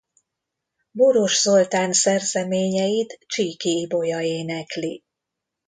Boros Zoltán szerzeményeit Csíky Ibolya énekli.